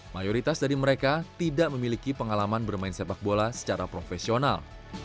mayoritas dari mereka tidak memiliki pengalaman bermain sepak bola secara profesional